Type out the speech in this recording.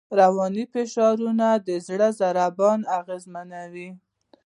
رواني فشارونه د زړه ضربان اغېزمنوي.